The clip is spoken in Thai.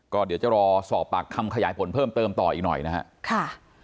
ก็เดี๋ยวจะรอสอบปากคำขยายผลเพิ่มเติมต่ออีกหน่อยนะครับ